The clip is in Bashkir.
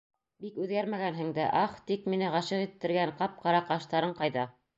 Бик үҙгәрмәгәнһең дә, ах, тик мине ғашиҡ иттергән ҡап-ҡара ҡаштарың ҡайҙа?